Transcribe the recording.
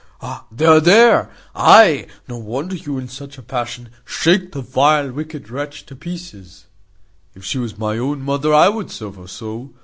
There, there Ay, no wonder you are in such a passion, shake the vile wicked wretch to pieces. If she was my own mother, I would serve her so.